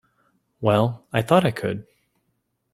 Well, I thought I could.